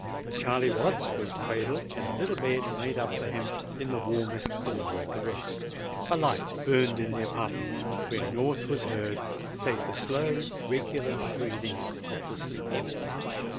Charley Watts was cradled in a little bed made up for him in the warmest corner of the room. A light burnt in the apartment, where naught was heard save the slow, regular breathing of the sleepers.